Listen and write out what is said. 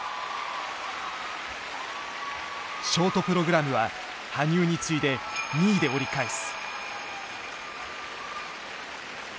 ショートプログラムは羽生に次いで２位で折り返す。